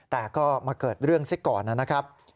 แต่ก็มาเกิดเรื่องซะก่อนนะครับ